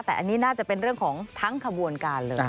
แต่อันนี้น่าจะเป็นเรื่องของทั้งขบวนการเลย